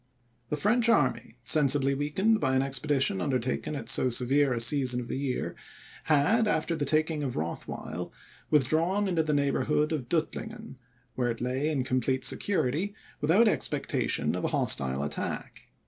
The French army, sensibly weakened by an expedition undertaken at so severe a season of the year, had, after the taking of Rothweil, withdrawn into the neighbourhood of Duttlingen, where it lay in complete security, without expectation of a hostile attack.